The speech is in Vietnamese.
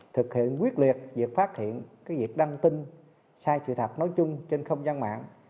thực hiện quyết liệt việc phát hiện việc đăng tin sai sự thật nói chung trên không gian mạng